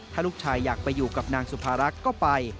ถ้าลูกชายอยากไปอยู่กับนางสุภารักษ์ก็ไป